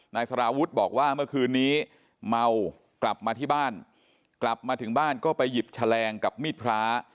นายสารวุฒิบอกว่าเมื่อคืนนี้เมากลับมาที่บ้านกลับมาถึงบ้านก็ไปหยิบแฉลงกับมีดพระ